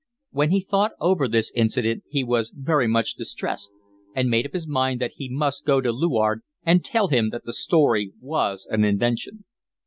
When he thought over this incident he was very much distressed, and made up his mind that he must go to Luard and tell him that the story was an invention.